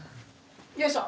よいしょ。